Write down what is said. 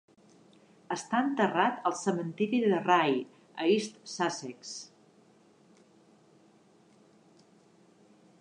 Està enterrat al cementiri de Rye, a East Sussex.